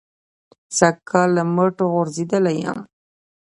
سږ کال له مټو غورځېدلی یم.